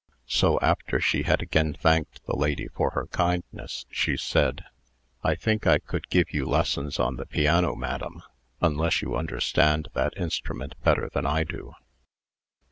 So, after she had again thanked the lady for her kindness, she said: "I think I could give you lessons on the piano, madam unless you understand that instrument better than I do."